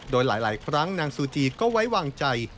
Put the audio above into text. โดยหลายครั้งนางซูจีก็ไว้วางใจ